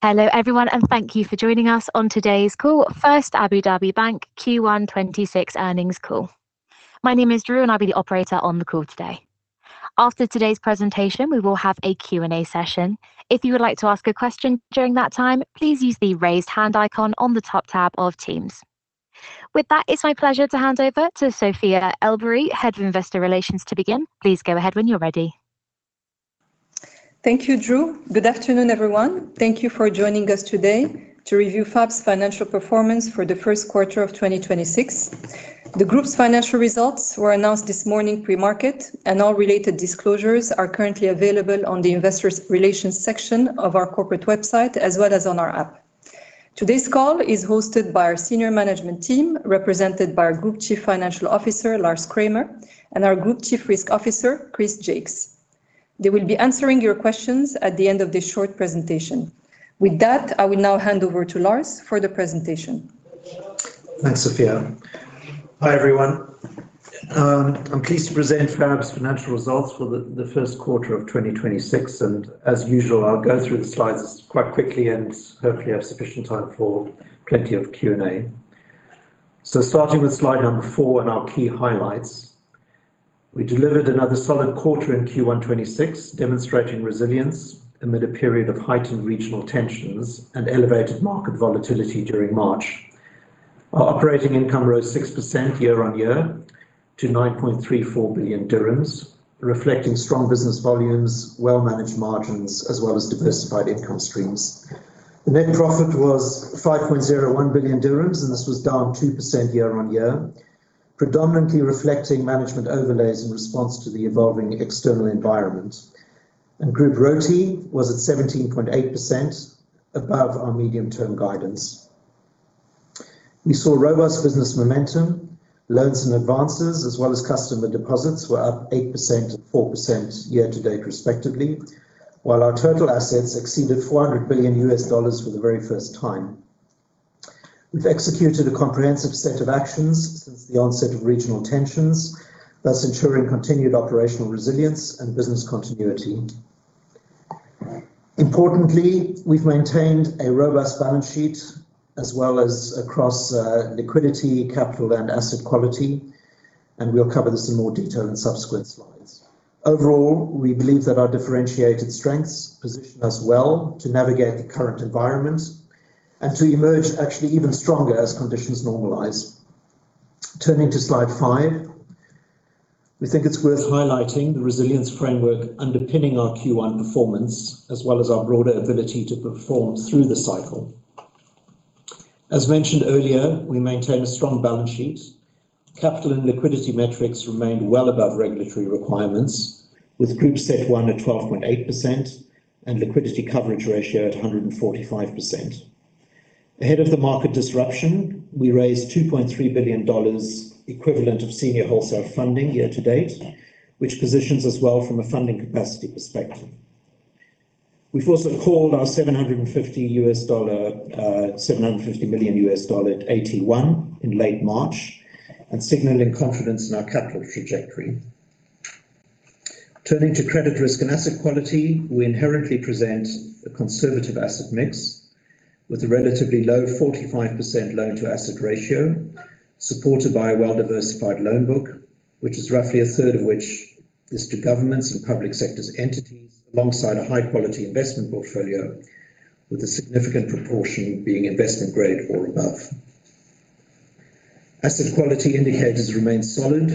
Hello, everyone, and thank you for joining us on today's call, First Abu Dhabi Bank Q1 2026 earnings call. My name is Drew, and I'll be the operator on the call today. After today's presentation, we will have a Q&A session. If you would like to ask a question during that time, please use the raise hand icon on the top tab of Teams. With that, it's my pleasure to hand over to Sofia El Boury, Head of Investor Relations, to begin. Please go ahead when you're ready. Thank you, Drew. Good afternoon, everyone. Thank you for joining us today to review FAB's financial performance for the first quarter of 2026. The group's financial results were announced this morning pre-market, and all related disclosures are currently available on the investor relations section of our corporate website as well as on our app. Today's call is hosted by our senior management team, represented by our Group Chief Financial Officer, Lars Kramer, and our Group Chief Risk Officer, Chris Jaques. They will be answering your questions at the end of this short presentation. With that, I will now hand over to Lars for the presentation. Thanks, Sofia. Hi, everyone. I'm pleased to present FAB's financial results for the first quarter of 2026. As usual, I'll go through the slides quite quickly and hopefully have sufficient time for plenty of Q&A. Starting with slide number four and our key highlights. We delivered another solid quarter in Q1 2026, demonstrating resilience amid a period of heightened regional tensions and elevated market volatility during March. Our operating income rose 6% year-on-year to 9.34 billion dirhams, reflecting strong business volumes, well-managed margins, as well as diversified income streams. The net profit was 5.01 billion dirhams, and this was down 2% year-on-year, predominantly reflecting management overlays in response to the evolving external environment. Group ROTE was at 17.8% above our medium-term guidance. We saw robust business momentum, loans and advances, as well as customer deposits were up 8% and 4% year-to-date respectively, while our total assets exceeded $400 billion for the very first time. We've executed a comprehensive set of actions since the onset of regional tensions, thus ensuring continued operational resilience and business continuity. Importantly, we've maintained a robust balance sheet as well as across liquidity, capital and asset quality, and we'll cover this in more detail in subsequent slides. Overall, we believe that our differentiated strengths position us well to navigate the current environment and to emerge actually even stronger as conditions normalize. Turning to slide five. We think it's worth highlighting the resilience framework underpinning our Q1 performance, as well as our broader ability to perform through the cycle. As mentioned earlier, we maintain a strong balance sheet. Capital and liquidity metrics remain well above regulatory requirements, with group CET1 at 12.8% and liquidity coverage ratio at 145%. Ahead of the market disruption, we raised $2.3 billion equivalent of senior wholesale funding year-to-date, which positions us well from a funding capacity perspective. We've also called our $750 million AT1 in late March and signaling confidence in our capital trajectory. Turning to credit risk and asset quality, we inherently present a conservative asset mix with a relatively low 45% loan-to-asset ratio, supported by a well-diversified loan book, which is roughly 1/3 of which is to governments and public sector entities, alongside a high-quality investment portfolio with a significant proportion being investment-grade or above. Asset quality indicators remain solid,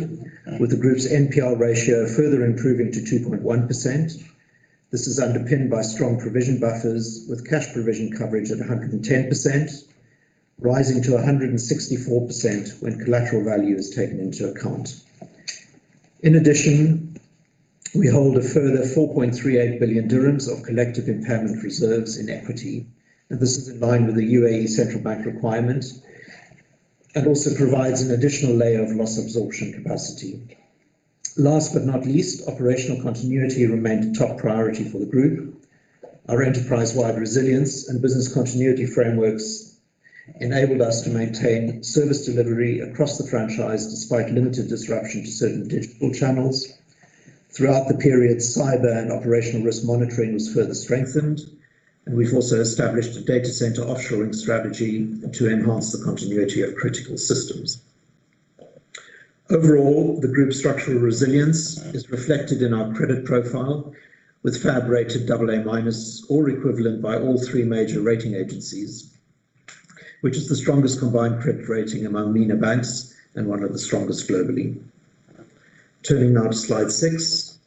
with the group's NPL ratio further improving to 2.1%. This is underpinned by strong provision buffers with cash provision coverage at 110%, rising to 164% when collateral value is taken into account. In addition, we hold a further 4.38 billion dirhams of collective impairment reserves in equity, and this is in line with the Central Bank of the UAE requirement and also provides an additional layer of loss absorption capacity. Last but not least, operational continuity remained a top priority for the group. Our enterprise-wide resilience and business continuity frameworks enabled us to maintain service delivery across the franchise, despite limited disruption to certain digital channels. Throughout the period, cyber and operational risk monitoring was further strengthened, and we've also established a data center offshoring strategy to enhance the continuity of critical systems. Overall, the group's structural resilience is reflected in our credit profile with FAB rated AA- or equivalent by all three major rating agencies, which is the strongest combined credit rating among MENA banks and one of the strongest globally. Turning now to slide six.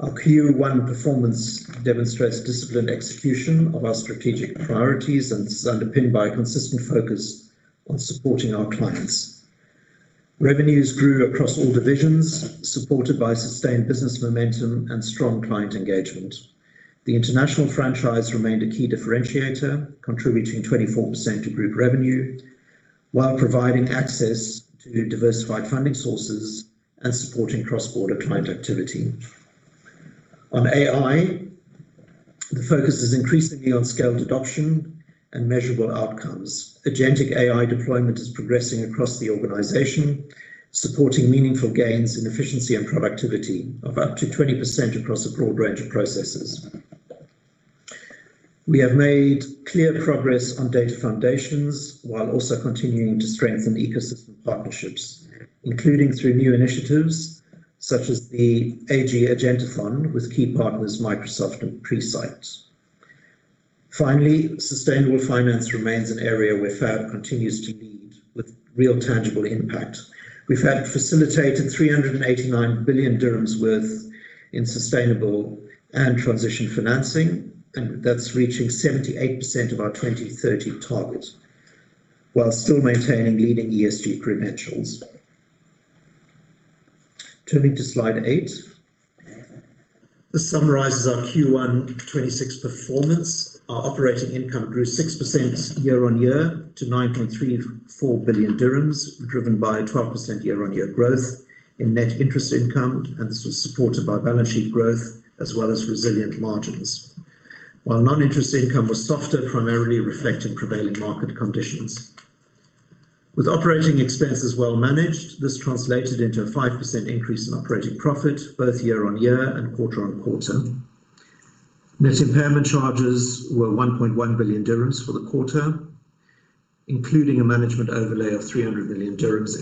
Our Q1 performance demonstrates disciplined execution of our strategic priorities, and this is underpinned by a consistent focus on supporting our clients. Revenues grew across all divisions, supported by sustained business momentum and strong client engagement. The international franchise remained a key differentiator, contributing 24% to group revenue while providing access to diversified funding sources and supporting cross-border client activity. On AI, the focus is increasingly on scaled adoption and measurable outcomes. Agentic AI deployment is progressing across the organization, supporting meaningful gains in efficiency and productivity of up to 20% across a broad range of processes. We have made clear progress on data foundations while also continuing to strengthen ecosystem partnerships, including through new initiatives such as the AI Agentic Fund with key partners Microsoft and Presight. Finally, sustainable finance remains an area where FAB continues to lead with real tangible impact. We have facilitated 389 billion dirhams in sustainable and transition financing, and that's reaching 78% of our 2030 target, while still maintaining leading ESG credentials. Turning to slide eight. This summarizes our Q1 2026 performance. Our operating income grew 6% year-on-year to 9.34 billion dirhams, driven by 12% year-on-year growth in net interest income, and this was supported by balance sheet growth as well as resilient margins. While non-interest income was softer, primarily reflecting prevailing market conditions. With operating expenses well managed, this translated into a 5% increase in operating profit both year-on-year and quarter-on-quarter. Net impairment charges were 1.1 billion dirhams for the quarter, including a management overlay of 300 million dirhams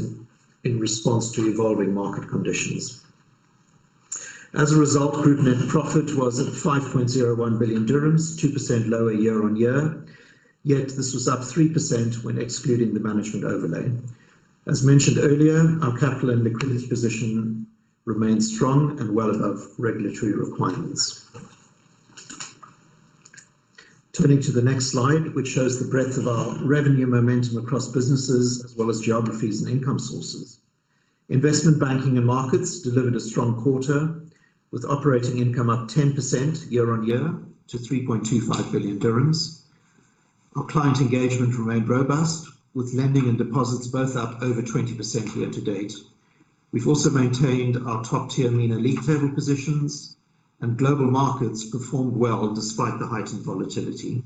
in response to evolving market conditions. As a result, group net profit was at 5.01 billion dirhams, 2% lower year-on-year, yet this was up 3% when excluding the management overlay. As mentioned earlier, our capital and liquidity position remains strong and well above regulatory requirements. Turning to the next slide, which shows the breadth of our revenue momentum across businesses as well as geographies and income sources. Investment banking and markets delivered a strong quarter, with operating income up 10% year-on-year to 3.25 billion dirhams. Our client engagement remained robust, with lending and deposits both up over 20% year-to-date. We've also maintained our top-tier MENA league table positions, and global markets performed well despite the heightened volatility.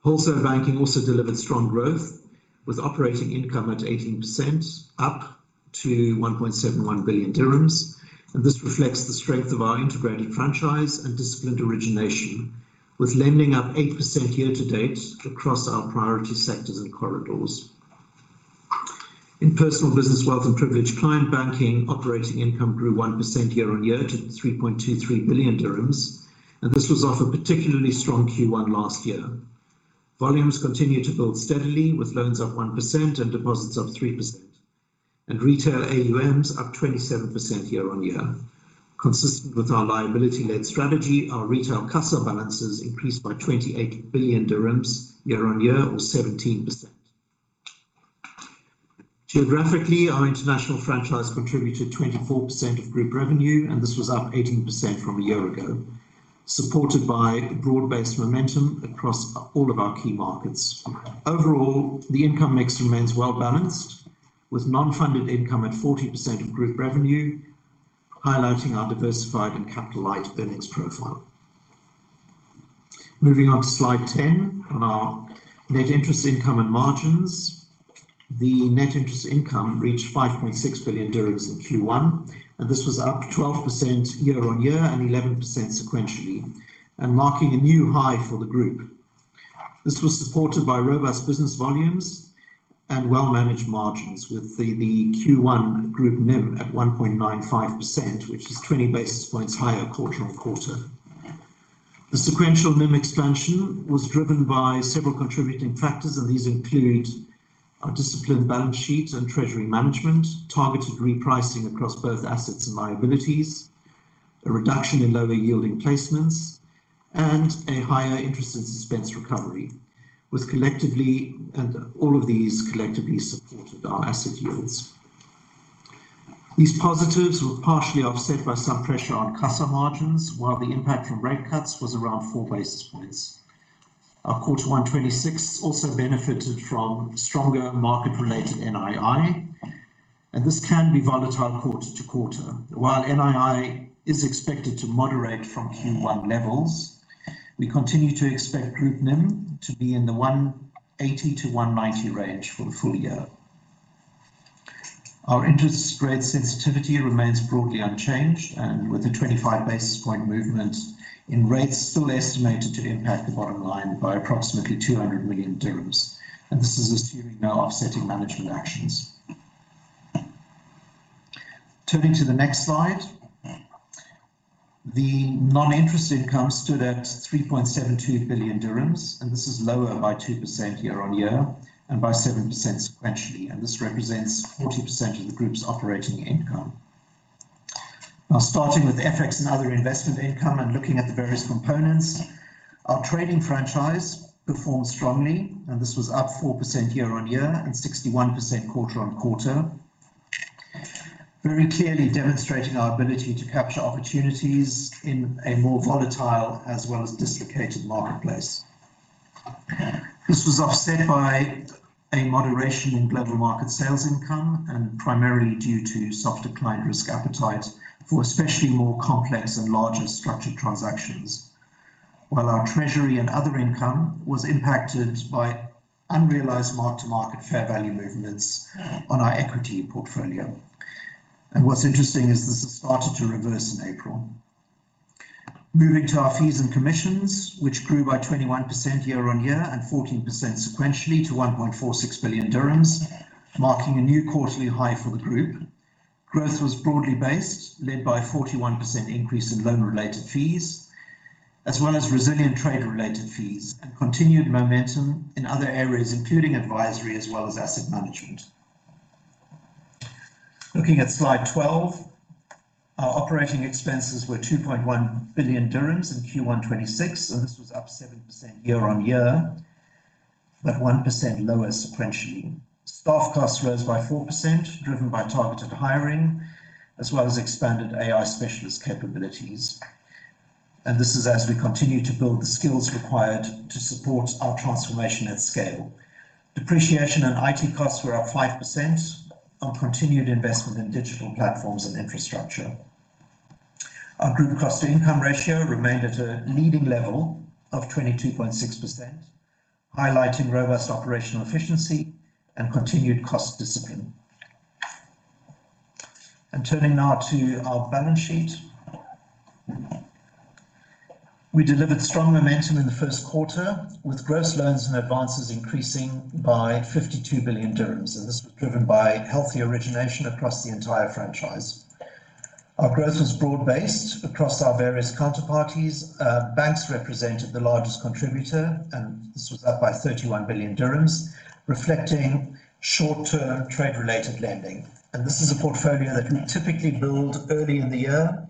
Wholesale banking also delivered strong growth, with operating income up 18% to 1.71 billion dirhams, and this reflects the strength of our integrated franchise and disciplined origination, with lending up 8% year-to-date across our priority sectors and corridors. In personal, business, wealth and privileged client banking, operating income grew 1% year-on-year to 3.23 billion dirhams, and this was off a particularly strong Q1 last year. Volumes continued to build steadily, with loans up 1% and deposits up 3%, and retail AUMs up 27% year-on-year. Consistent with our liability-led strategy, our retail CASA balances increased by 28 billion dirhams year-on-year or 17%. Geographically, our international franchise contributed 24% of group revenue, and this was up 18% from a year ago, supported by broad-based momentum across all of our key markets. Overall, the income mix remains well-balanced, with non-funded income at 40% of group revenue, highlighting our diversified and capital-light earnings profile. Moving on to slide 10 on our net interest income and margins. The net interest income reached 5.6 billion dirhams in Q1, and this was up 12% year-over-year and 11% sequentially, and marking a new high for the group. This was supported by robust business volumes and well-managed margins with the Q1 group NIM at 1.95%, which is 20 basis points higher quarter-over-quarter. The sequential NIM expansion was driven by several contributing factors, and these include our disciplined balance sheet and treasury management, targeted repricing across both assets and liabilities, a reduction in lower yielding placements, and a higher interest expense recovery, and all of these collectively supported our asset yields. These positives were partially offset by some pressure on CASA's margins, while the impact from rate cuts was around 4 basis points. Our Q1 NII also benefited from stronger market-related NII, and this can be volatile quarter-to-quarter. While NII is expected to moderate from Q1 levels, we continue to expect group NIM to be in the 180-190 range for the full year. Our interest spread sensitivity remains broadly unchanged, and with a 25 basis point movement in rates still estimated to impact the bottom line by approximately 200 million dirhams, and this is assuming no offsetting management actions. Turning to the next slide. The non-interest income stood at 3.72 billion dirhams, and this is lower by 2% year-on-year and by 7% sequentially, and this represents 40% of the group's operating income. Now, starting with FX and other investment income and looking at the various components, our trading franchise performed strongly, and this was up 4% year-on-year and 61% quarter-on-quarter. Very clearly demonstrating our ability to capture opportunities in a more volatile as well as dislocated marketplace. This was offset by a moderation in global market sales income, and primarily due to soft decline risk appetite for especially more complex and larger structured transactions. While our treasury and other income was impacted by unrealized mark-to-market fair value movements on our equity portfolio. What's interesting is this has started to reverse in April. Moving to our fees and commissions, which grew by 21% year-on-year and 14% sequentially to 1.46 billion dirhams, marking a new quarterly high for the group. Growth was broadly based, led by a 41% increase in loan-related fees, as well as resilient trade-related fees and continued momentum in other areas, including advisory as well as asset management. Looking at slide 12, our operating expenses were 2.1 billion dirhams in Q1 2026, and this was up 7% year-on-year, but 1% lower sequentially. Staff costs rose by 4%, driven by targeted hiring, as well as expanded AI specialist capabilities. This is as we continue to build the skills required to support our transformation at scale. Depreciation and IT costs were up 5% on continued investment in digital platforms and infrastructure. Our group cost-to-income ratio remained at a leading level of 22.6%, highlighting robust operational efficiency and continued cost discipline. Turning now to our balance sheet. We delivered strong momentum in the first quarter with gross loans and advances increasing by 52 billion dirhams, and this was driven by healthy origination across the entire franchise. Our growth was broad-based across our various counterparties. Banks represented the largest contributor, and this was up by 31 billion dirhams, reflecting short-term trade-related lending. This is a portfolio that we typically build early in the year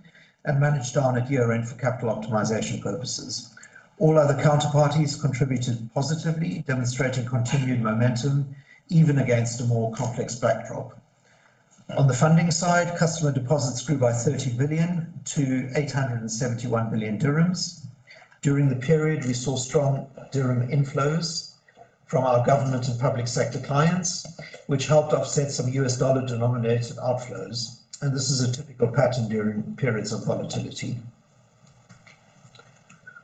and manage down at year-end for capital optimization purposes. All other counterparties contributed positively, demonstrating continued momentum even against a more complex backdrop. On the funding side, customer deposits grew by 30 billion to 871 billion dirhams. During the period, we saw strong dirham inflows from our government and public sector clients, which helped offset some U.S. dollar-denominated outflows. This is a typical pattern during periods of volatility.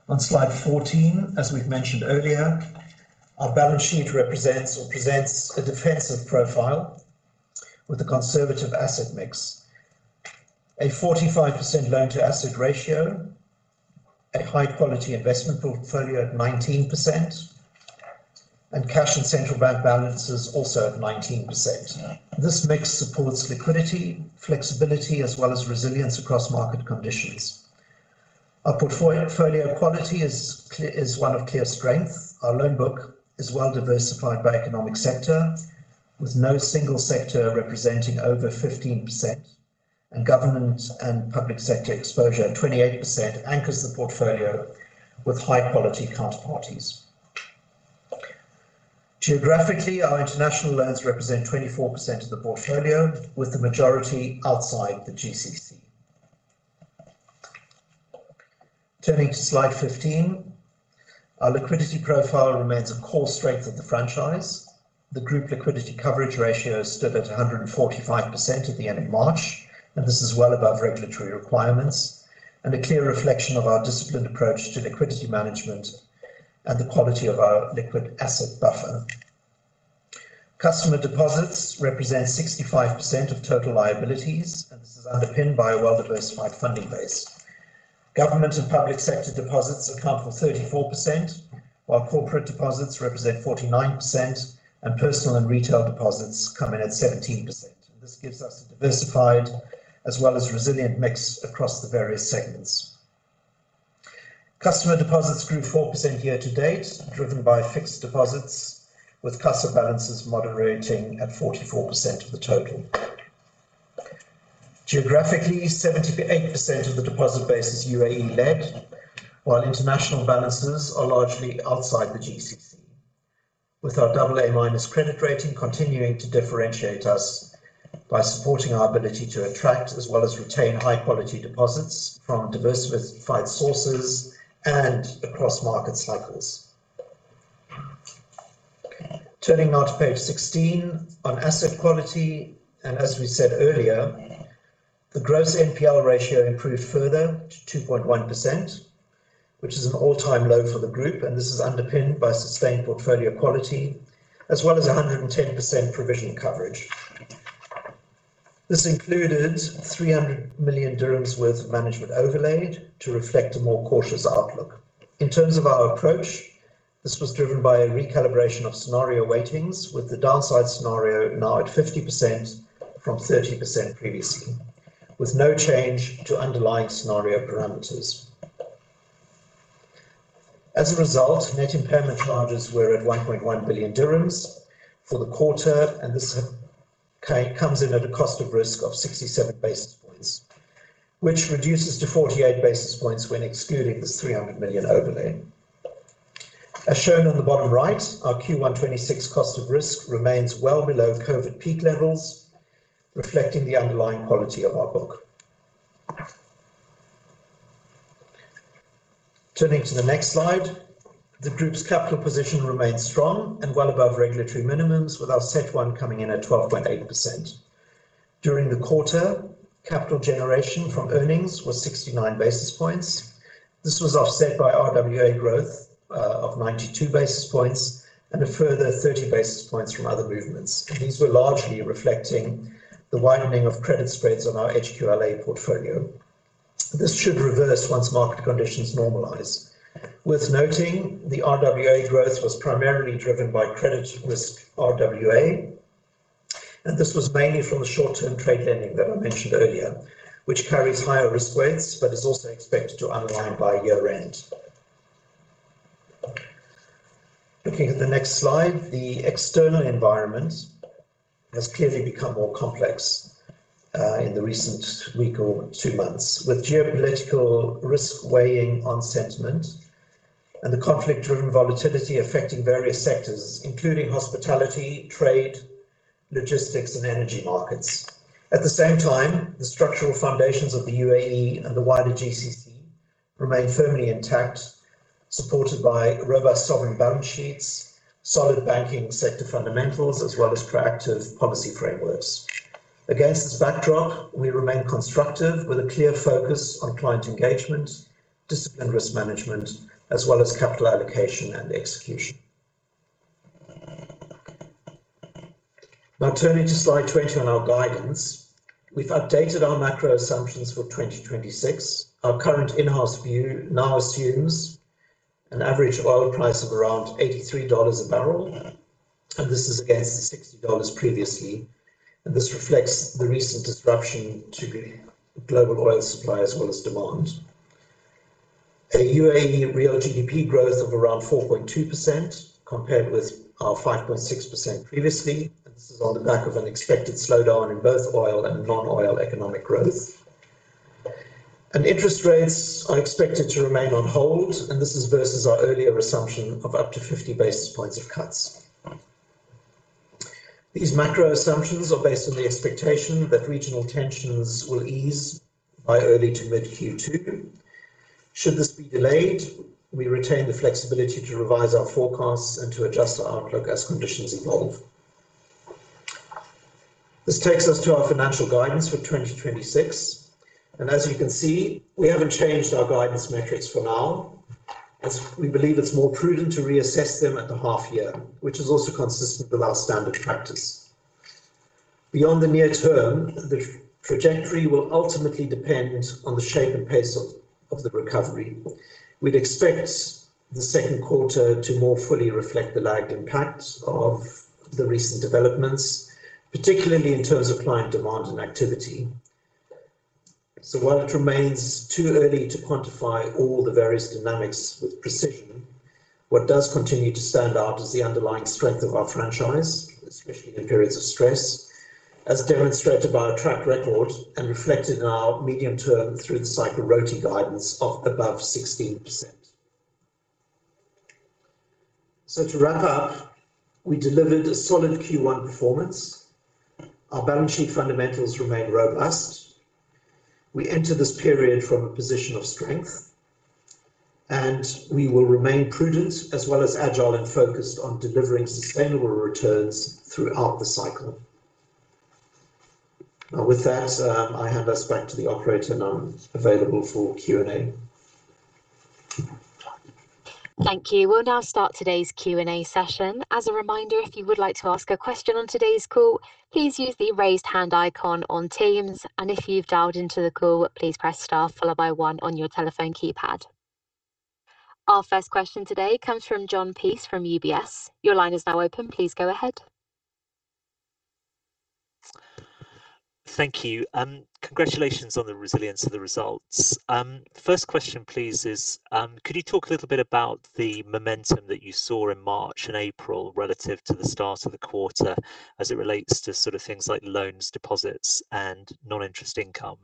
On slide 14, as we've mentioned earlier, our balance sheet represents or presents a defensive profile with a conservative asset mix. A 45% loan-to-asset ratio, a high-quality investment portfolio at 19%, and cash and central bank balances also at 19%. This mix supports liquidity, flexibility, as well as resilience across market conditions. Our portfolio quality is one of clear strength. Our loan book is well-diversified by economic sector, with no single sector representing over 15%, and government and public sector exposure at 28% anchors the portfolio with high-quality counterparties. Geographically, our international loans represent 24% of the portfolio, with the majority outside the GCC. Turning to slide 15. Our liquidity profile remains a core strength of the franchise. The group liquidity coverage ratio stood at 145% at the end of March, and this is well above regulatory requirements and a clear reflection of our disciplined approach to liquidity management and the quality of our liquid asset buffer. Customer deposits represent 65% of total liabilities, and this is underpinned by a well-diversified funding base. Government and public sector deposits account for 34%, while corporate deposits represent 49%, and personal and retail deposits come in at 17%. This gives us a diversified as well as resilient mix across the various segments. Customer deposits grew 4% year-to-date, driven by fixed deposits, with CASA balances moderating at 44% of the total. Geographically, 78% of the deposit base is UAE-led, while international balances are largely outside the GCC. With our AA- credit rating continuing to differentiate us by supporting our ability to attract as well as retain high-quality deposits from diversified sources and across market cycles. Turning now to page 16 on asset quality, and as we said earlier, the gross NPL ratio improved further to 2.1%, which is an all-time low for the group, and this is underpinned by sustained portfolio quality as well as 110% provision coverage. This included 300 million dirhams worth of management overlaid to reflect a more cautious outlook. In terms of our approach, this was driven by a recalibration of scenario weightings, with the downside scenario now at 50% from 30% previously, with no change to underlying scenario parameters. As a result, net impairment charges were at 1.1 billion dirhams for the quarter, and this comes in at a cost of risk of 67 basis points, which reduces to 48 basis points when excluding this 300 million overlay. As shown on the bottom right, our Q1 2026 cost of risk remains well below COVID peak levels, reflecting the underlying quality of our book. Turning to the next slide. The group's capital position remains strong and well above regulatory minimums, with our CET1 coming in at 12.8%. During the quarter, capital generation from earnings was 69 basis points. This was offset by RWA growth of 92 basis points and a further 30 basis points from other movements. These were largely reflecting the widening of credit spreads on our HQLA portfolio. This should reverse once market conditions normalize. Worth noting, the RWA growth was primarily driven by credit risk RWA, and this was mainly from the short-term trade lending that I mentioned earlier, which carries higher risk weights but is also expected to unwind by year-end. Looking at the next slide, the external environment has clearly become more complex in the recent week or two months, with geopolitical risk weighing on sentiment and the conflict-driven volatility affecting various sectors, including hospitality, trade, logistics, and energy markets. At the same time, the structural foundations of the UAE and the wider GCC remain firmly intact, supported by robust sovereign balance sheets, solid banking sector fundamentals, as well as proactive policy frameworks. Against this backdrop, we remain constructive with a clear focus on client engagement, disciplined risk management, as well as capital allocation and execution. Now, turning to slide 20 on our guidance. We've updated our macro assumptions for 2026. Our current in-house view now assumes an average oil price of around $83/bbl, and this is against the $60/bbl previously, and this reflects the recent disruption to global oil supply as well as demand. A UAE real GDP growth of around 4.2%, compared with our 5.6% previously. This is on the back of an expected slowdown in both oil and non-oil economic growth. Interest rates are expected to remain on hold, and this is versus our earlier assumption of up to 50 basis points of cuts. These macro assumptions are based on the expectation that regional tensions will ease by early to mid Q2. Should this be delayed, we retain the flexibility to revise our forecasts and to adjust our outlook as conditions evolve. This takes us to our financial guidance for 2026, and as you can see, we haven't changed our guidance metrics for now, as we believe it's more prudent to reassess them at the half year, which is also consistent with our standard practice. Beyond the near term, the trajectory will ultimately depend on the shape and pace of the recovery. We'd expect the second quarter to more fully reflect the lagged impact of the recent developments, particularly in terms of client demand and activity. While it remains too early to quantify all the various dynamics with precision, what does continue to stand out is the underlying strength of our franchise, especially in periods of stress, as demonstrated by our track record and reflected in our medium term through the cycle ROTE guidance of above 16%. To wrap up, we delivered a solid Q1 performance. Our balance sheet fundamentals remain robust. We enter this period from a position of strength, and we will remain prudent as well as agile and focused on delivering sustainable returns throughout the cycle. With that, I hand us back to the operator, and I'm available for Q&A. Thank you. We'll now start today's Q&A session. As a reminder, if you would like to ask a question on today's call, please use the raised hand icon on Teams, and if you've dialed into the call, please press star followed by one on your telephone keypad. Our first question today comes from Jon Peace from UBS. Your line is now open. Please go ahead. Thank you. Congratulations on the resilience of the results. First question, please, is could you talk a little bit about the momentum that you saw in March and April relative to the start of the quarter as it relates to things like loans, deposits, and non-interest income?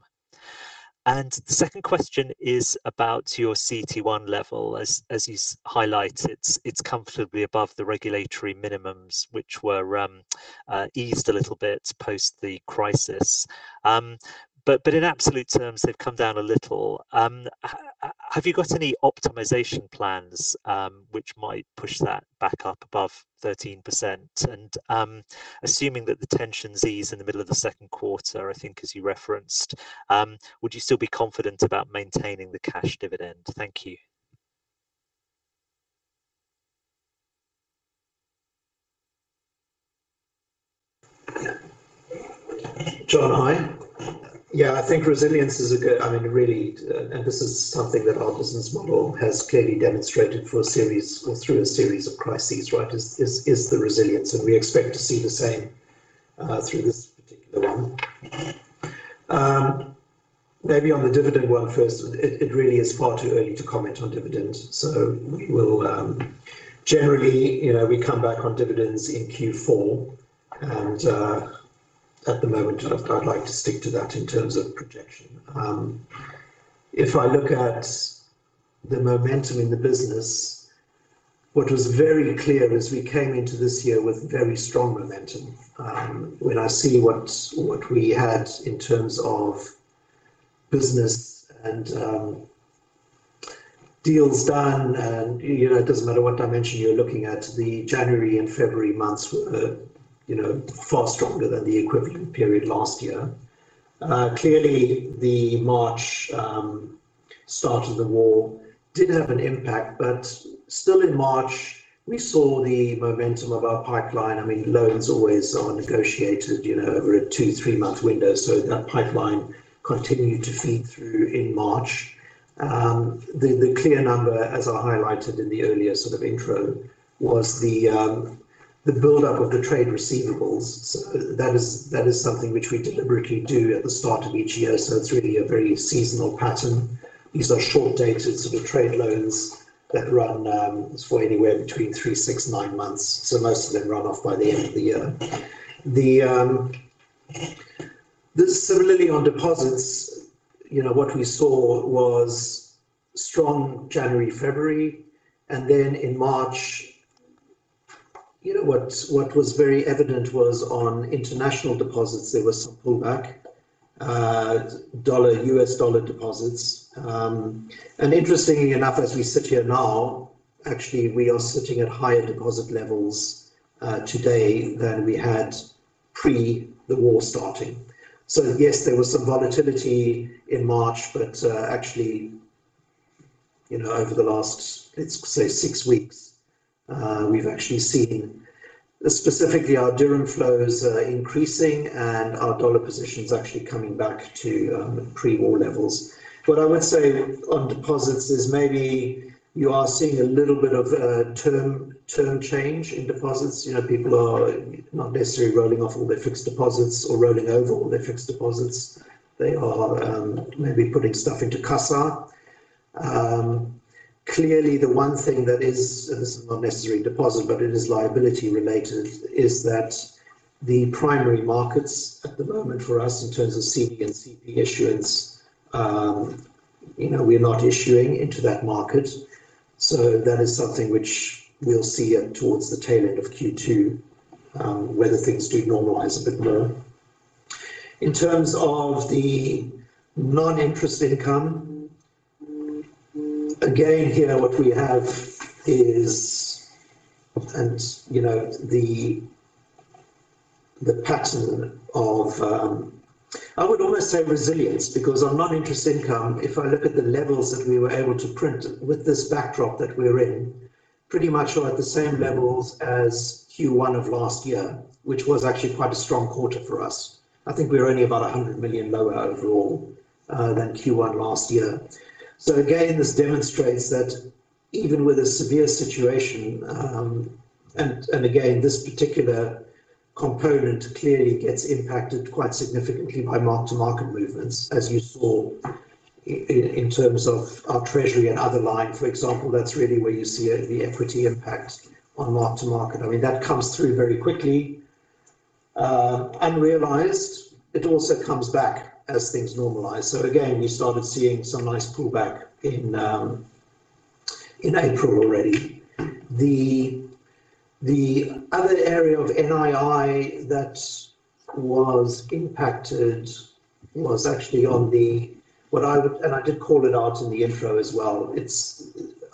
The second question is about your CET1 level. As you highlighted, it's comfortably above the regulatory minimums, which were eased a little bit post the crisis. In absolute terms, they've come down a little. Have you got any optimization plans which might push that back up above 13%? Assuming that the tensions ease in the middle of the second quarter, I think as you referenced, would you still be confident about maintaining the cash dividend? Thank you. Jon, hi. I think resilience is a good point. Really, this is something that our business model has clearly demonstrated through a series of crises, is the resilience, and we expect to see the same through this particular one. Maybe on the dividend one first, it really is far too early to comment on dividends. We will, generally, we come back on dividends in Q4, and at the moment, I'd like to stick to that in terms of projection. If I look at the momentum in the business. What was very clear is we came into this year with very strong momentum. When I see what we had in terms of business and deals done, and it doesn't matter what dimension you're looking at, the January and February months were far stronger than the equivalent period last year. Clearly, the March start of the war did have an impact, but still in March, we saw the momentum of our pipeline. Loans always are negotiated over Two-month to three-month window, so that pipeline continued to feed through in March. The clear number, as I highlighted in the earlier intro, was the buildup of the trade receivables. That is something which we deliberately do at the start of each year. It's really a very seasonal pattern. These are short-dated sort of trade loans that run for anywhere between three, six, nine months. Most of them run off by the end of the year. Similarly, on deposits, what we saw was strong January, February, and then in March, what was very evident was on international deposits, there was some pullback in U.S. dollar deposits. Interestingly enough, as we sit here now, actually we are sitting at higher deposit levels today than we had pre the war starting. Yes, there was some volatility in March, but actually, over the last, let's say, six weeks, we've actually seen specifically our dirham flows increasing and our dollar positions actually coming back to pre-war levels. What I would say on deposits is maybe you are seeing a little bit of a term change in deposits. People are not necessarily rolling off all their fixed deposits or rolling over all their fixed deposits. They are maybe putting stuff into CASA. Clearly, the one thing that is, and this is not necessarily a deposit, but it is liability related, is that the primary markets at the moment for us in terms of CP and CP issuance, we are not issuing into that market. That is something which we'll see towards the tail end of Q2, whether things do normalize a bit more. In terms of the non-interest income, again here what we have is, the pattern of, I would almost say resilience, because on non-interest income, if I look at the levels that we were able to print with this backdrop that we are in, pretty much we're at the same levels as Q1 of last year, which was actually quite a strong quarter for us. I think we are only about 100 million lower overall, than Q1 last year. Again, this demonstrates that even with a severe situation, and again, this particular component clearly gets impacted quite significantly by mark-to-market movements, as you saw in terms of our treasury and other line, for example. That's really where you see the equity impact on mark-to-market. That comes through very quickly, unrealized. It also comes back as things normalize. Again, we started seeing some nice pullback in April already. The other area of NII that was impacted was actually on the, and I did call it out in the intro as well.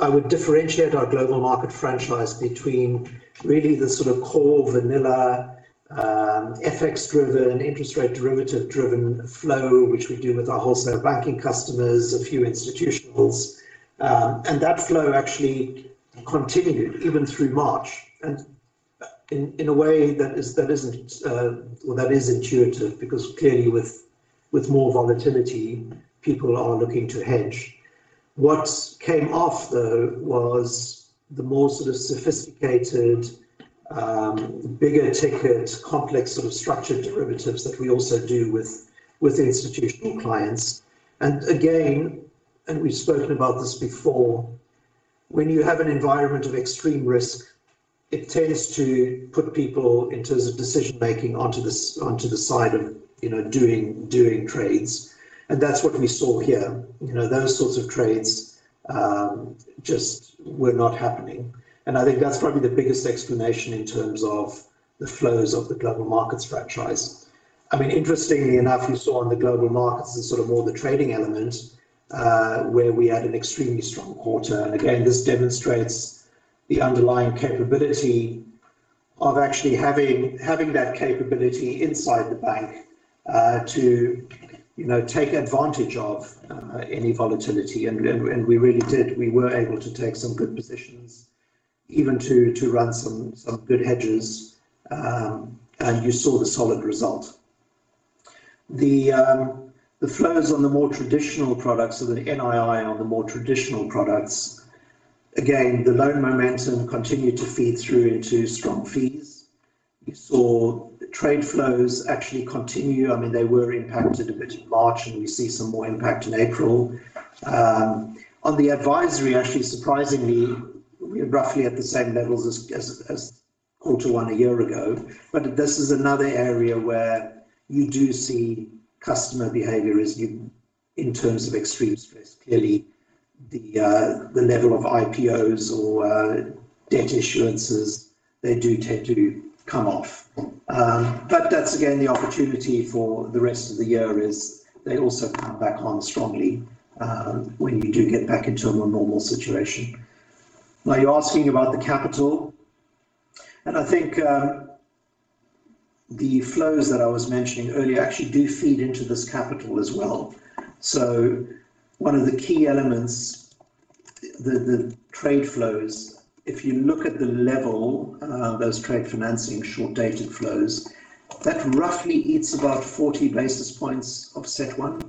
I would differentiate our global market franchise between really the sort of core vanilla, FX driven, interest rate derivative driven flow, which we do with our wholesale banking customers, a few institutionals. That flow actually continued even through March. In a way that is intuitive because clearly with more volatility, people are looking to hedge. What came off, though, was the more sort of sophisticated, bigger ticket, complex sort of structured derivatives that we also do with institutional clients. Again, and we've spoken about this before, when you have an environment of extreme risk, it tends to put people in terms of decision-making onto the side of doing trades, and that's what we saw here. Those sorts of trades just were not happening. I think that's probably the biggest explanation in terms of the flows of the global markets franchise. Interestingly enough, you saw on the global markets is sort of more the trading element, where we had an extremely strong quarter. Again, this demonstrates the underlying capability of actually having that capability inside the bank, to take advantage of any volatility. We really did. We were able to take some good positions even to run some good hedges. You saw the solid result. The flows on the more traditional products, so the NII on the more traditional products, again, the loan momentum continued to feed through into strong fees. You saw trade flows actually continue. They were impacted a bit in March, and we see some more impact in April. On the advisory, actually, surprisingly, we are roughly at the same levels as quarter one a year ago. This is another area where you do see customer behavior. In terms of extreme stress, clearly the level of IPOs or debt issuances, they do tend to come off. That's again, the opportunity for the rest of the year is they also come back on strongly, when we do get back into a more normal situation. Now you're asking about the capital, and I think the flows that I was mentioning earlier actually do feed into this capital as well. One of the key elements, the trade flows, if you look at the level, those trade financing short-dated flows, that roughly eats about 40 basis points of CET1.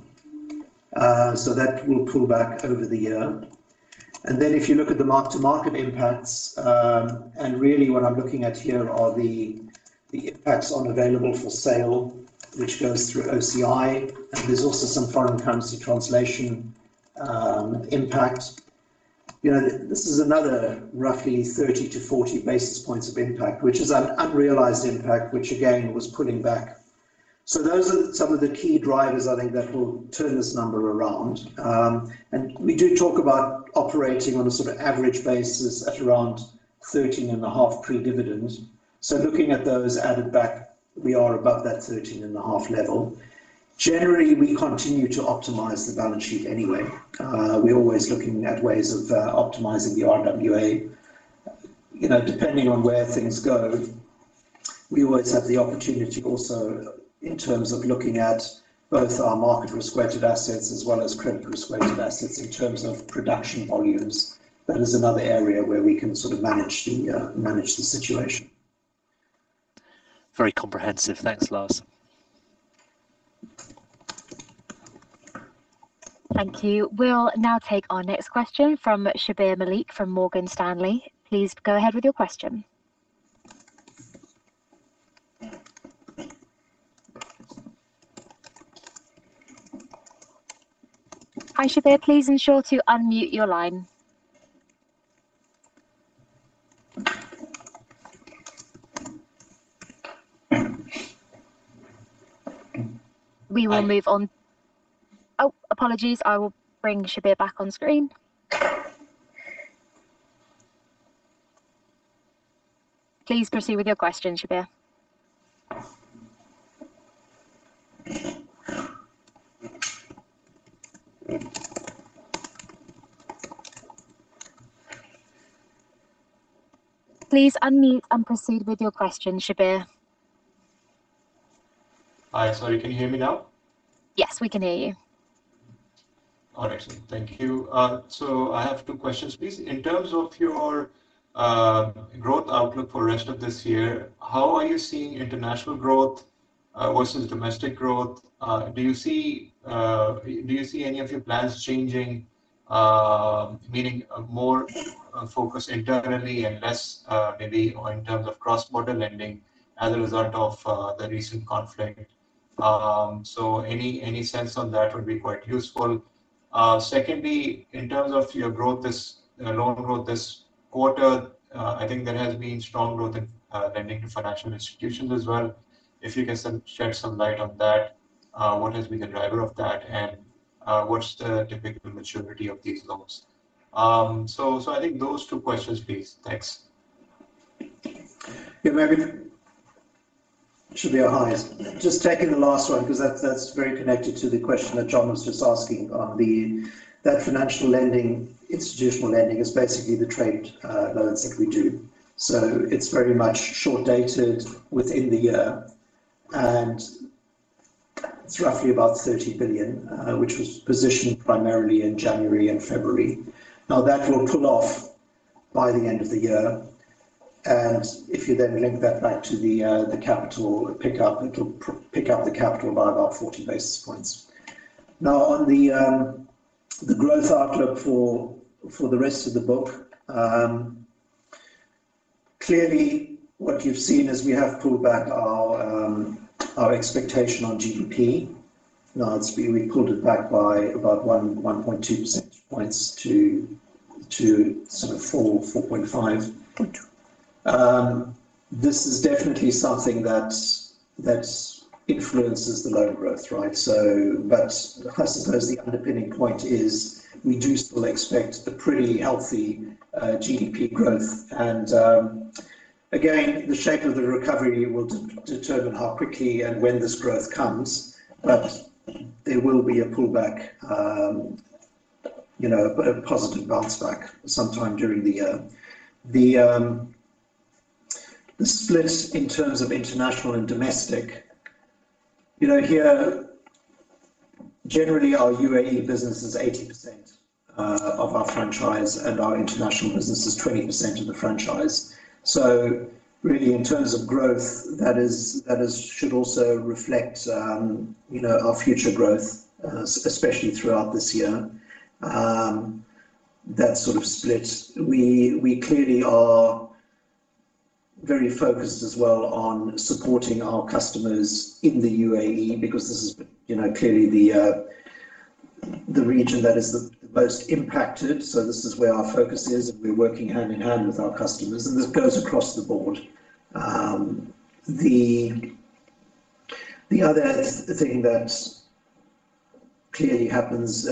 That will pull back over the year. If you look at the mark-to-market impacts, really what I'm looking at here are the impacts on available for sale, which goes through OCI, and there's also some foreign currency translation impact. This is another roughly 30 basis points of impact-40 basis points of impact, which is an unrealized impact, which again, was pulling back. Those are some of the key drivers I think that will turn this number around. We do talk about operating on a sort of average basis at around 13.5% pre-dividend. Looking at those added back, we are above that 13.5% level. Generally, we continue to optimize the balance sheet anyway. We're always looking at ways of optimizing the RWA. Depending on where things go, we always have the opportunity also in terms of looking at both our market-risk-weighted assets as well as credit-risk-weighted assets in terms of production volumes. That is another area where we can sort of manage the situation. Very comprehensive. Thanks, Lars. Thank you. We'll now take our next question from Shabbir Malik from Morgan Stanley. Please go ahead with your question. Hi, Shabbir, please ensure to unmute your line. We will move on. Hi. Oh, apologies. I will bring Shabbir back on screen. Please proceed with your question, Shabbir. Please unmute and proceed with your question, Shabbir. Hi, sorry. Can you hear me now? Yes, we can hear you. All right. Thank you. I have two questions, please. In terms of your growth outlook for rest of this year, how are you seeing international growth, versus domestic growth? Do you see any of your plans changing, meaning more focus internally and less, maybe in terms of cross-border lending as a result of, the recent conflict? Any sense on that would be quite useful. Secondly, in terms of loan growth this quarter, I think there has been strong growth in lending to financial institutions as well. If you can shed some light on that, what has been the driver of that? And, what's the typical maturity of these loans? I think those two questions, please. Thanks. Yeah, maybe. Shabbir, hi. Just taking the last one, because that's very connected to the question that Jon was just asking on that financial institutions lending. Institutional lending is basically the trade loans that we do. So it's very much short-dated within the year, and it's roughly about 30 billion, which was positioned primarily in January and February. Now, that will roll off by the end of the year, and if you then link that back to the capital pickup, it'll pick up the capital by about 40 basis points. Now, on the growth outlook for the rest of the book, clearly what you've seen is we have pulled back our expectation on GDP. Now it's been pulled back by about 1.2 percentage points to sort of 4 percentage points-4.5 percentage points. This is definitely something that influences the loan growth, right? I suppose the underpinning point is we do still expect a pretty healthy GDP growth. Again, the shape of the recovery will determine how quickly and when this growth comes, but there will be a pullback, a positive bounce back sometime during the year. The split in terms of international and domestic, here, generally our UAE business is 80% of our franchise, and our international business is 20% of the franchise. Really in terms of growth, that should also reflect our future growth, especially throughout this year, that sort of split. We clearly are very focused as well on supporting our customers in the UAE because this has been clearly the region that is the most impacted. This is where our focus is, and we're working hand in hand with our customers, and this goes across the board. The other thing that clearly happens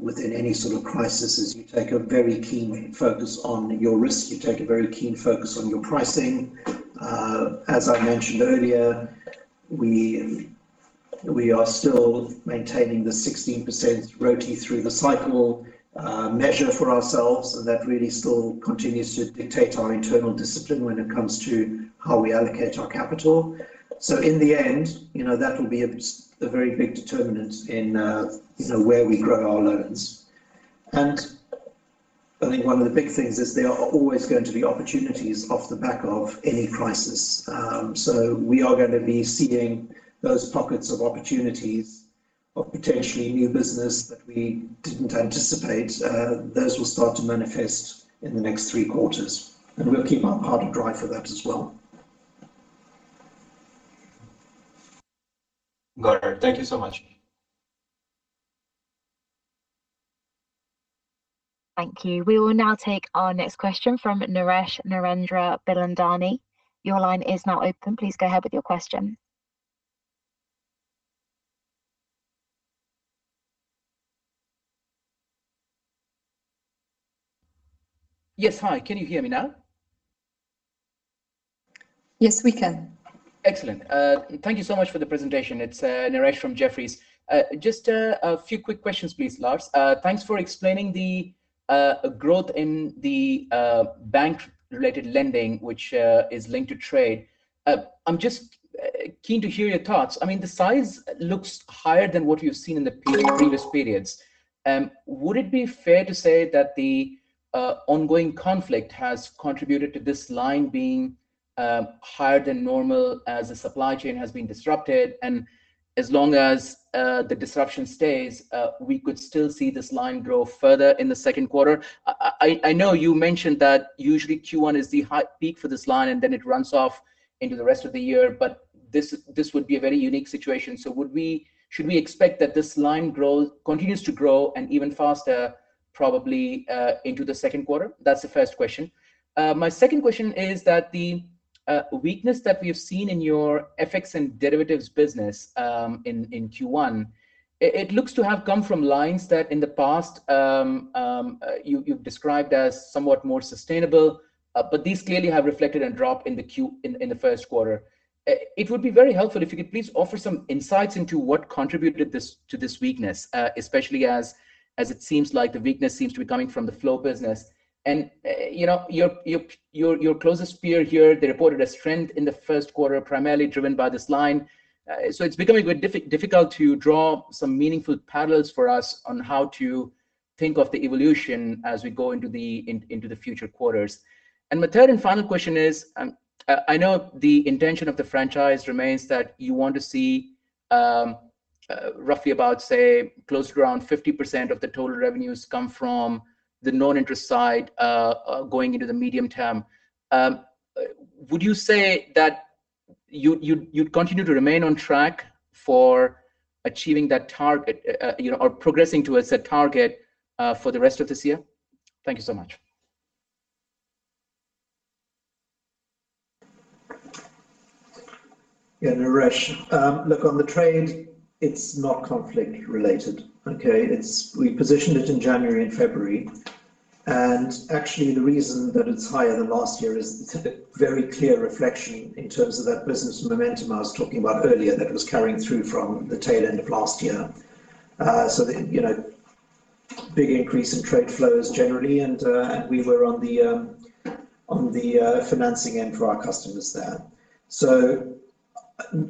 within any sort of crisis is you take a very keen focus on your risk, you take a very keen focus on your pricing. As I mentioned earlier, we are still maintaining the 16% ROTE through the cycle measure for ourselves, and that really still continues to dictate our internal discipline when it comes to how we allocate our capital. In the end, that will be a very big determinant in where we grow our loans. I think one of the big things is there are always going to be opportunities off the back of any crisis. We are going to be seeing those pockets of opportunities of potentially new business that we didn't anticipate. Those will start to manifest in the next three quarters, and we'll keep up hard and drive for that as well. Got it. Thank you so much. Thank you. We will now take our next question from Naresh Narendra Bilandani. Your line is now open. Please go ahead with your question. Yes. Hi, can you hear me now? Yes, we can. Excellent. Thank you so much for the presentation. It's Naresh from Jefferies. Just a few quick questions, please, Lars. Thanks for explaining the growth in the bank-related lending, which is linked to trade. I'm just keen to hear your thoughts. The size looks higher than what you've seen in the previous periods. Would it be fair to say that the ongoing conflict has contributed to this line being higher than normal as the supply chain has been disrupted? As long as the disruption stays, we could still see this line grow further in the second quarter. I know you mentioned that usually Q1 is the peak for this line, and then it runs off into the rest of the year, but this would be a very unique situation. Should we expect that this line continues to grow and even faster, probably into the second quarter? That's the first question. My second question is that the weakness that we have seen in your FX and derivatives business in Q1, it looks to have come from lines that in the past you've described as somewhat more sustainable. These clearly have reflected a drop in the first quarter. It would be very helpful if you could please offer some insights into what contributed to this weakness, especially as it seems like the weakness seems to be coming from the flow business. Your closest peer here, they reported a strength in the first quarter, primarily driven by this line. It's becoming very difficult to draw some meaningful parallels for us on how to think of the evolution as we go into the future quarters. My third and final question is, I know the intention of the franchise remains that you want to see roughly about, say, close to around 50% of the total revenues come from the non-interest side going into the medium term. Would you say that you'd continue to remain on track for achieving that target or progressing towards that target for the rest of this year? Thank you so much. Yeah, Naresh. Look, on the trade, it's not conflict related, okay? We positioned it in January and February, and actually the reason that it's higher than last year is it's a very clear reflection in terms of that business momentum I was talking about earlier that was carrying through from the tail end of last year. The big increase in trade flows generally, and we were on the financing end for our customers there.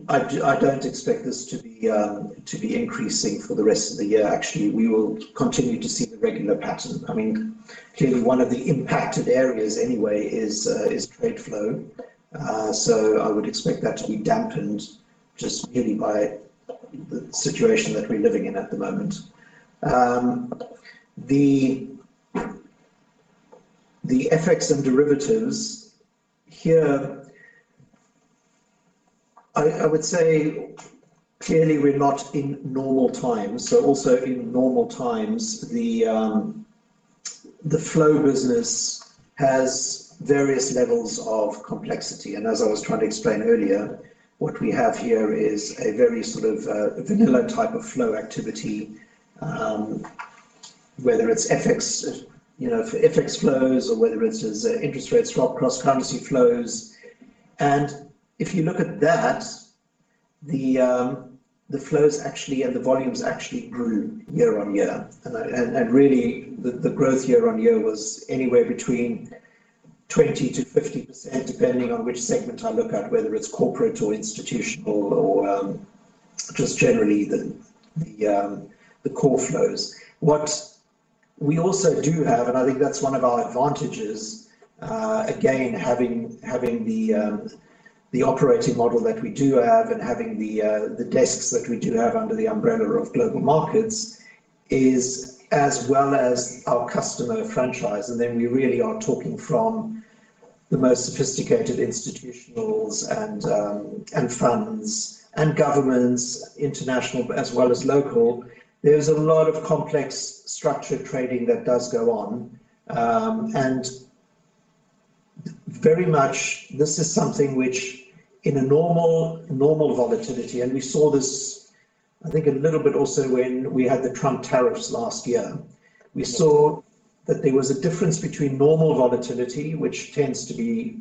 I don't expect this to be increasing for the rest of the year. Actually, we will continue to see the regular pattern. Clearly, one of the impacted areas anyway is trade flow. I would expect that to be dampened just really by the situation that we're living in at the moment. The FX and derivatives here, I would say clearly we're not in normal times. Also in normal times, the flow business has various levels of complexity. As I was trying to explain earlier, what we have here is a very sort of vanilla type of flow activity, whether it's FX flows or whether it is interest rate swap cross-currency flows. If you look at that, the flows actually and the volumes actually grew year-on-year. Really, the growth year-on-year was anywhere between 20%-50%, depending on which segment I look at, whether it's corporate or institutional or just generally the core flows. What we also do have, and I think that's one of our advantages, again, having the operating model that we do have and having the desks that we do have under the umbrella of global markets, as well as our customer franchise. We really are talking from the most sophisticated institutionals and funds and governments, international as well as local. There's a lot of complex structured trading that does go on. Very much this is something which in a normal volatility, and we saw this, I think a little bit also when we had the Trump tariffs last year. We saw that there was a difference between normal volatility, which tends to be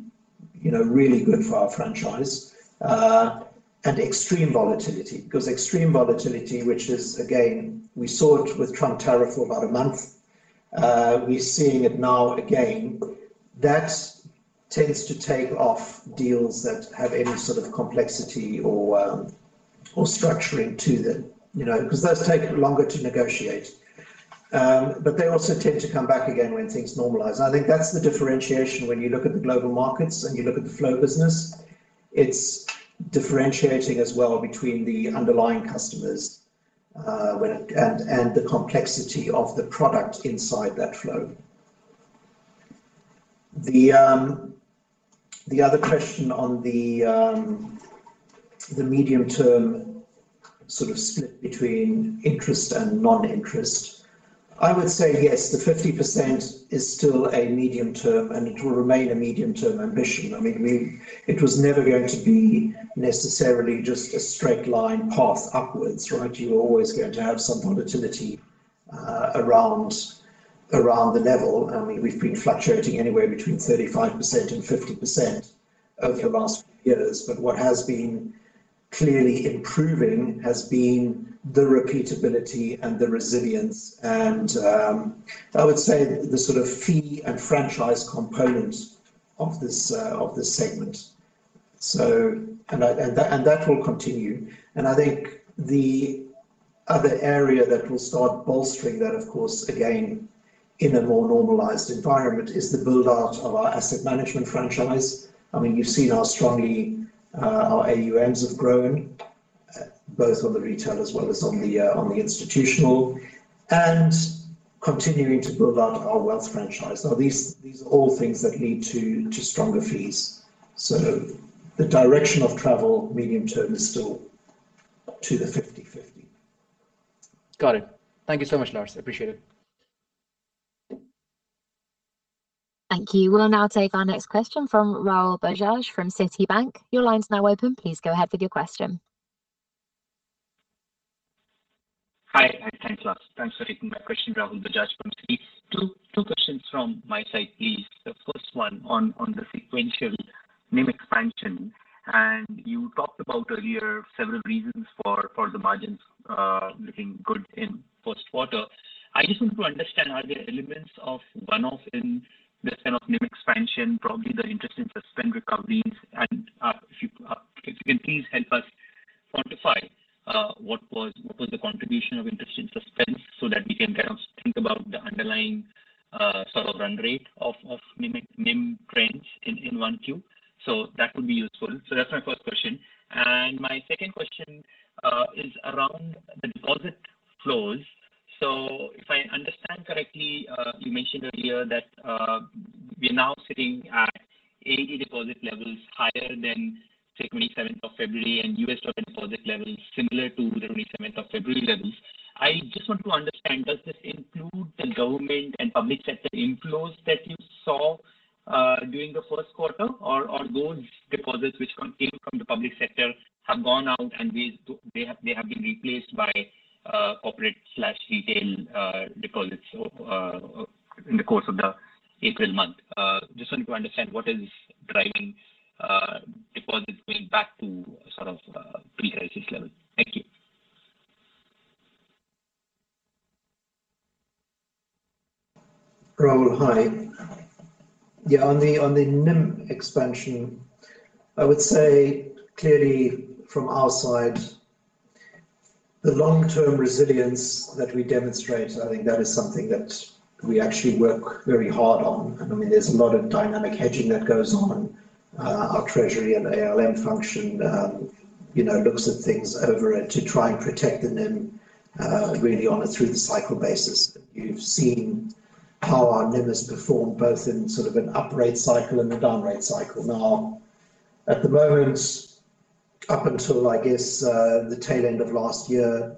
really good for our franchise, and extreme volatility. Because extreme volatility, which is again, we saw it with Trump tariff for about a month. We're seeing it now again. That tends to take off deals that have any sort of complexity or structuring to them, because those take longer to negotiate. They also tend to come back again when things normalize. I think that's the differentiation when you look at the global markets and you look at the flow business, it's differentiating as well between the underlying customers, and the complexity of the product inside that flow. The other question on the medium term sort of split between interest and non-interest. I would say yes, the 50% is still a medium term, and it will remain a medium term ambition. It was never going to be necessarily just a straight line path upwards, right? You're always going to have some volatility around the level, and we've been fluctuating anywhere between 35%-50% over the last few years. What has been clearly improving has been the repeatability and the resilience, and I would say the sort of fee and franchise component of this segment. That will continue, and I think the other area that will start bolstering that, of course, again, in a more normalized environment, is the build-out of our asset management franchise. You've seen how strongly our AUMs have grown, both on the retail as well as on the institutional, and continuing to build out our wealth franchise. Now, these are all things that lead to stronger fees. The direction of travel medium term is still to the 50/50. Got it. Thank you so much, Lars. I appreciate it. Thank you. We'll now take our next question from Rahul Bajaj from Citibank. Your line's now open. Please go ahead with your question. Hi. Thanks, Lars. Thanks for taking my question. Rahul Bajaj from Citi. Two questions from my side. The first one on the sequential NIM expansion, and you talked about earlier several reasons for the margins looking good in first quarter. I just want to understand, are there elements of one-off in this kind of NIM expansion, probably the interest in suspense recoveries? And if you can please help us quantify what was the contribution of interest in suspense so that we can kind of think about the underlying sort of run rate of NIM range in 1Q. That would be useful. That's my first question. My second question is around the deposit flows. If I understand correctly, you mentioned earlier that we are now sitting at AED deposit levels higher than 27th of February, and U.S. dollar deposit levels similar to the 27th of February levels. I just want to understand, does this include the government and public sector inflows that you saw during the first quarter? Or those deposits which came from the public sector have gone out and they have been replaced by corporate/retail deposits in the course of the April month? Just want to understand what is driving deposits going back to sort of pre-crisis level. Thank you. Rahul, hi. Yeah, on the NIM expansion, I would say clearly from our side, the long-term resilience that we demonstrate, I think that is something that we actually work very hard on. There's a lot of dynamic hedging that goes on. Our treasury and ALM function looks at things over time to try and protect the NIM really on a through the cycle basis. You've seen how our NIM has performed both in sort of an up-rate cycle and a down-rate cycle. Now, at the moment, up until, I guess, the tail end of last year,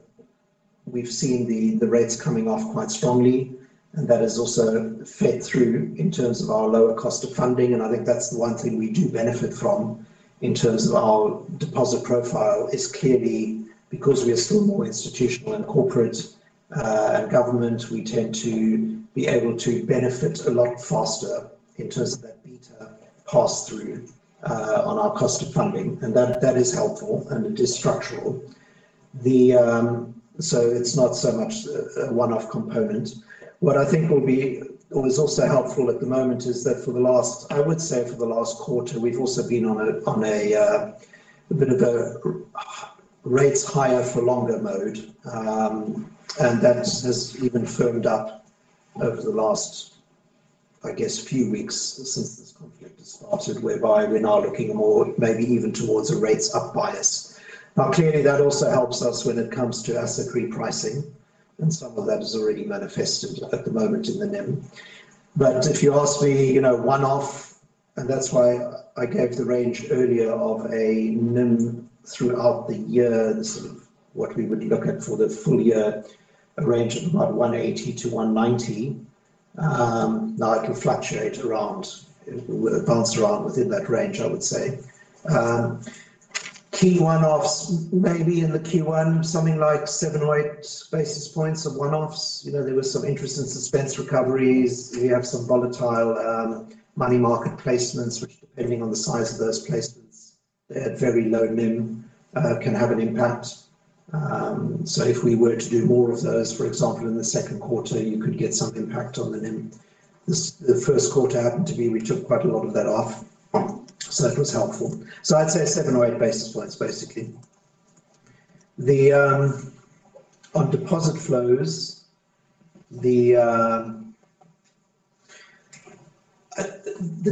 we've seen the rates coming off quite strongly, and that has also fed through in terms of our lower cost of funding. I think that's the one thing we do benefit from in terms of our deposit profile, is clearly because we are still more institutional and corporate and government, we tend to be able to benefit a lot faster in terms of that beta pass through on our cost of funding. That is helpful and it is structural. It's not so much a one-off component. What I think will be or is also helpful at the moment is that for the last, I would say for the last quarter, we've also been on a bit of a rates higher for longer mode. That has even firmed up over the last, I guess, few weeks since this conflict has started, whereby we're now looking more maybe even towards a rates up bias. Now, clearly that also helps us when it comes to our securities pricing, and some of that has already manifested at the moment in the NIM. If you ask me, one-off. That's why I gave the range earlier of a NIM throughout the year and sort of what we would look at for the full year range of about 180-190. Now, it can fluctuate around, it will average around within that range, I would say. Key one-offs, maybe in the Q1, something like 7 basis points or 8 basis points of one-offs. There were some interest and suspense recoveries. We have some volatile money market placements, which depending on the size of those placements, they had very low NIM, can have an impact. If we were to do more of those, for example, in the second quarter, you could get some impact on the NIM. The first quarter happened to be we took quite a lot of that off, so it was helpful. I'd say 7 basis points or 8 basis points, basically. On deposit flows, the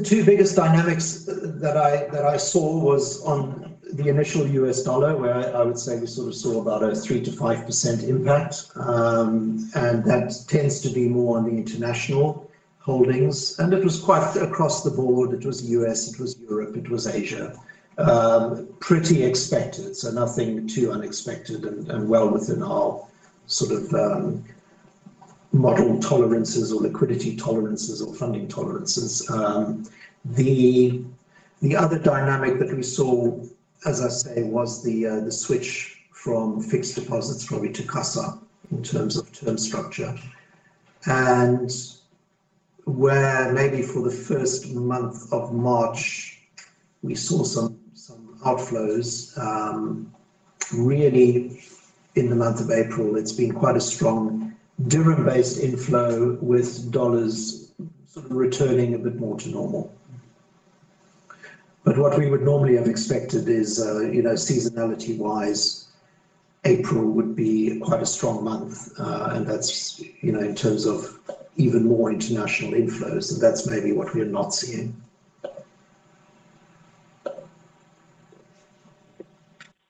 two biggest dynamics that I saw was on the initial U.S. dollar where I would say we sort of saw about a 3%-5% impact, and that tends to be more on the international holdings. It was quite across the board. It was U.S., it was Europe, it was Asia. Pretty expected, so nothing too unexpected and well within our sort of model tolerances or liquidity tolerances or funding tolerances. The other dynamic that we saw, as I say, was the switch from fixed deposits probably to CASA in terms of term structure. Where maybe for the first month of March we saw some outflows, really in the month of April, it's been quite a strong dirham-based inflow with dollars sort of returning a bit more to normal. What we would normally have expected is, seasonality-wise, April would be quite a strong month, and that's in terms of even more international inflows, and that's maybe what we are not seeing.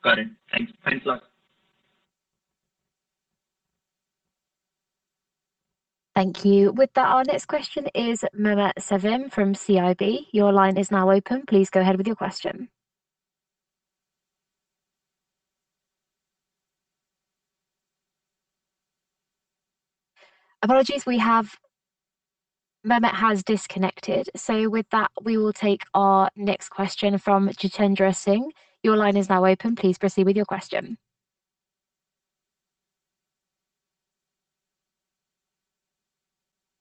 Got it. Thanks a lot. Thank you. With that, our next question is Mehmet Sevim from CIB. Your line is now open. Please go ahead with your question. Apologies. Mehmet has disconnected. With that, we will take our next question from Jitendra Singh. Your line is now open. Please proceed with your question.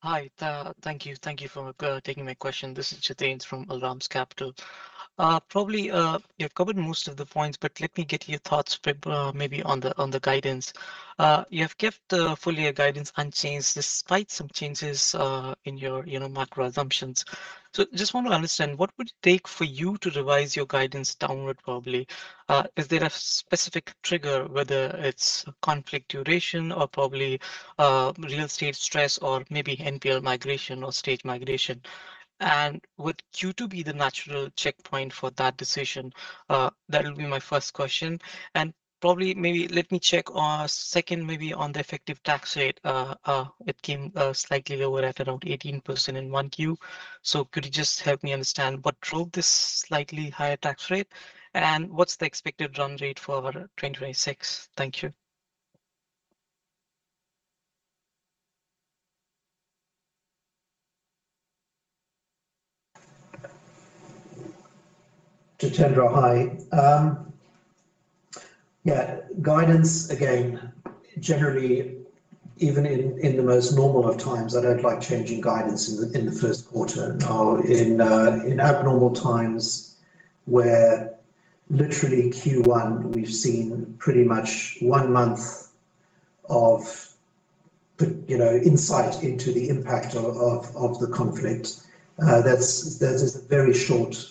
Hi. Thank you for taking my question. This is Jitendra Singh from Al Ramz Capital. Probably, you've covered most of the points, but let me get your thoughts maybe on the guidance. You have kept the full year guidance unchanged despite some changes in your macro assumptions. Just want to understand, what would it take for you to revise your guidance downward probably? Is there a specific trigger, whether it's conflict duration or probably real estate stress or maybe NPL migration or stage migration? Would Q2 be the natural checkpoint for that decision? That will be my first question. Probably, maybe let me check second maybe on the effective tax rate. It came slightly lower at around 18% in 1Q. Could you just help me understand what drove this slightly higher tax rate? What's the expected run rate for 2026? Thank you. Jitendra, hi. Yeah. Guidance, again, generally, even in the most normal of times, I don't like changing guidance in the first quarter. Now, in abnormal times where literally Q1, we've seen pretty much one month of insight into the impact of the conflict, that is a very short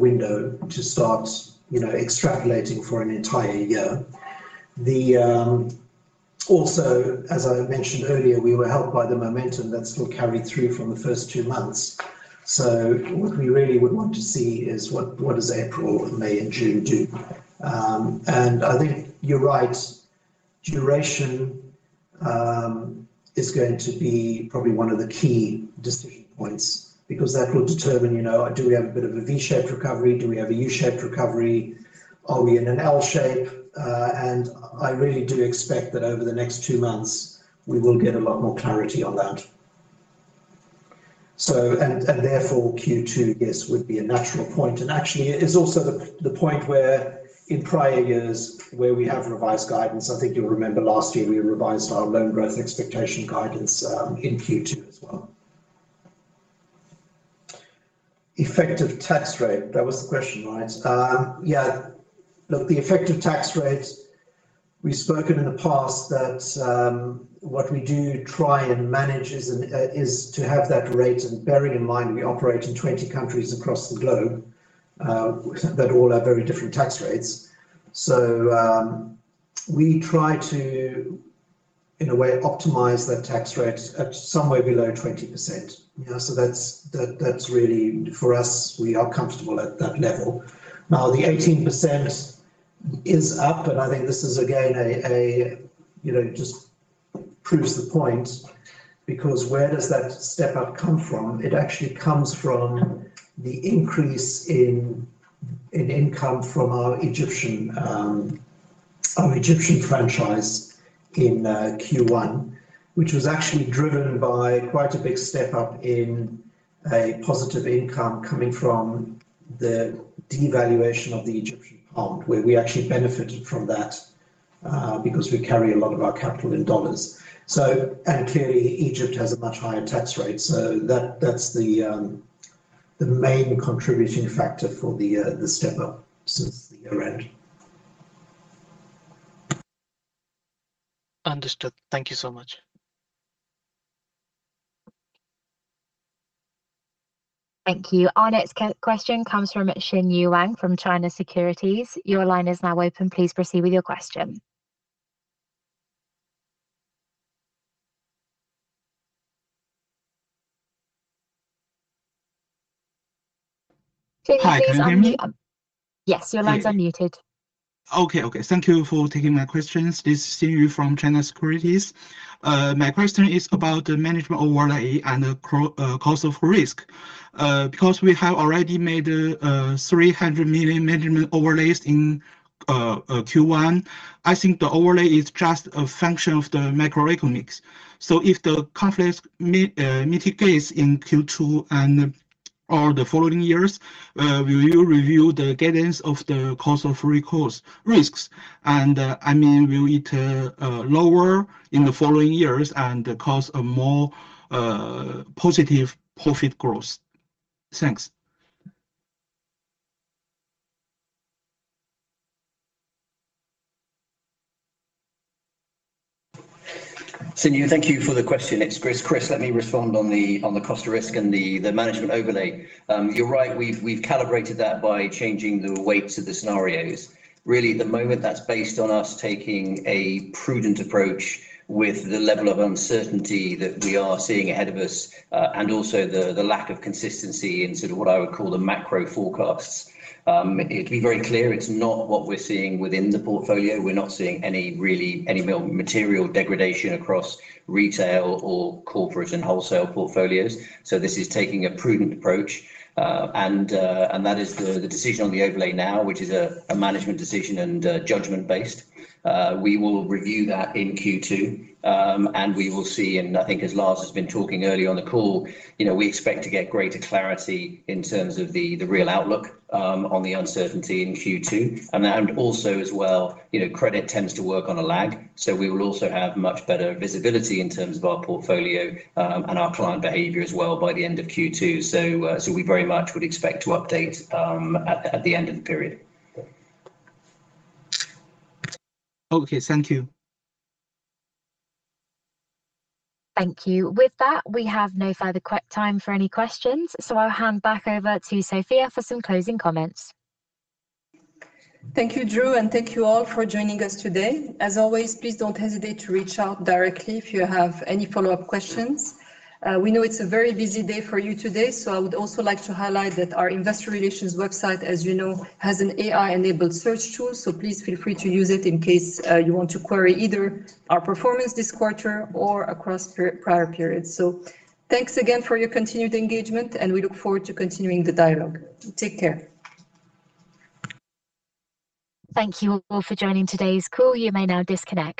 window to start extrapolating for an entire year. Also, as I mentioned earlier, we were helped by the momentum that still carried through from the first two months. What we really would want to see is what does April and May and June do? I think you're right, duration is going to be probably one of the key decision points, because that will determine, do we have a bit of a V-shaped recovery? Do we have a U-shaped recovery? Are we in an L shape? I really do expect that over the next two months, we will get a lot more clarity on that. Therefore Q2, yes, would be a natural point. Actually, it is also the point where in prior years where we have revised guidance. I think you'll remember last year, we revised our loan growth expectation guidance in Q2 as well. Effective tax rate. That was the question, right? Yeah. Look, the effective tax rate, we've spoken in the past that what we do try and manage is to have that rate, and bearing in mind we operate in 20 countries across the globe, that all have very different tax rates. We try to, in a way, optimize that tax rate at somewhere below 20%. That's really for us, we are comfortable at that level. Now, the 18% is up, and I think this is again just proves the point, because where does that step-up come from? It actually comes from the increase in income from our Egyptian franchise in Q1, which was actually driven by quite a big step-up in a positive income coming from the devaluation of the Egyptian pound, where we actually benefited from that because we carry a lot of our capital in dollars. Clearly Egypt has a much higher tax rate. That's the main contributing factor for the step-up since the year-end. Understood. Thank you so much. Thank you. Our next question comes from Xinyu Wang from China Securities. Your line is now open. Please proceed with your question. Hi, can you hear me? Yes, your lines are unmuted. Okay. Thank you for taking my questions. This is Xinyu Wang from China Securities. My question is about the management overlay and the cost of risk. Because we have already made 300 million management overlays in Q1, I think the overlay is just a function of the macroeconomics. If the conflicts mitigates in Q2 and all the following years, will you review the guidance of the cost of risk? Will it lower in the following years and cause a more positive profit growth? Thanks. Xinyu, thank you for the question. It's Chris. Chris, let me respond on the cost of risk and the management overlay. You're right, we've calibrated that by changing the weights of the scenarios. Really, at the moment, that's based on us taking a prudent approach with the level of uncertainty that we are seeing ahead of us, and also the lack of consistency in sort of what I would call the macro forecasts. To be very clear, it's not what we're seeing within the portfolio. We're not seeing any real material degradation across retail or corporate and wholesale portfolios. This is taking a prudent approach. That is the decision on the overlay now, which is a management decision and judgment-based. We will review that in Q2. We will see, and I think as Lars has been talking earlier on the call, we expect to get greater clarity in terms of the real outlook on the uncertainty in Q2. Also as well, credit tends to work on a lag, so we will also have much better visibility in terms of our portfolio and our client behavior as well by the end of Q2. We very much would expect to update at the end of the period. Okay, thank you. Thank you. With that, we have no further time for any questions, so I'll hand back over to Sofia for some closing comments. Thank you, Drew, and thank you all for joining us today. As always, please don't hesitate to reach out directly if you have any follow-up questions. We know it's a very busy day for you today, so I would also like to highlight that our investor relations website, as you know, has an AI-enabled search tool, so please feel free to use it in case you want to query either our performance this quarter or across prior periods. Thanks again for your continued engagement, and we look forward to continuing the dialogue. Take care. Thank you all for joining today's call. You may now disconnect.